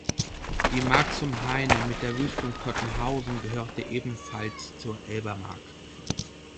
Die „Mark zum Haine“ mit der Wüstung Todtenhausen gehörte ebenfalls zur Elber Mark.